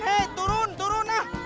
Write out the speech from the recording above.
hei turun turun lah